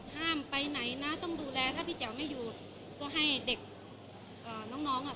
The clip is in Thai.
ไปไหนนะต้องดูแลถ้าพี่แจ๋วไม่อยู่ก็ให้เด็กอ่าน้องน้องอ่ะ